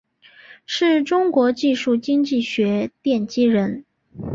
是中国技术经济学奠基人。